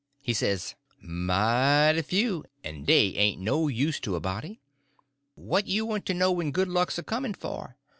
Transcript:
He says: "Mighty few—an' dey ain't no use to a body. What you want to know when good luck's a comin' for?